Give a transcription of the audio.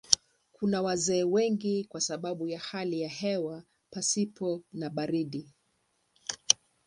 Kuna wazee wengi kwa sababu ya hali ya hewa pasipo na baridi.